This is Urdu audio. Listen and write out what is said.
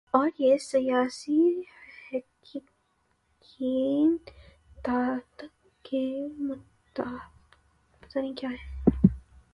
اور یہ سیاسی حقیقتیں طاقت کے تقاضوں کے مطابق ڈھلتی ہیں۔